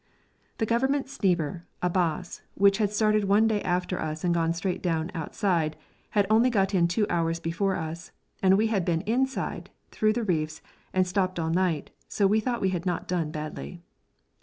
The Government steamer Abbas, which had started one day after us and gone straight down 'outside', had only got in two hours before us, and we had been 'inside', through the reefs, and stopped all night, so we thought we had not done badly.